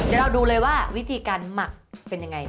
เดี๋ยวเราดูเลยว่าวิธีการหมักเป็นอย่างไรนะครับ